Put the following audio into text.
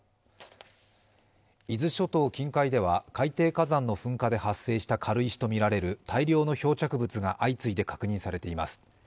伊豆諸島近海では海底火山の噴火で発生した軽石とみられる大量の漂着物が相次いで確認されています。